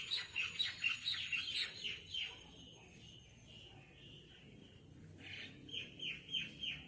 จุฏฮี